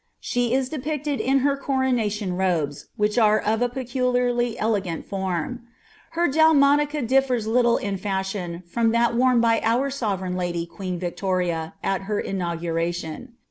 She is depicted n bar coronation robes, which are of a peculiarly elegant form. Her laltndtjca differs little in fashion from that worn by our sovereign lady ' '11 Victoria, at her inaueuraiion.